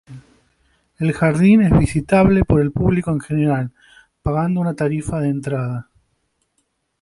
El jardín es visitable por el público en general, pagando una tarifa de entrada.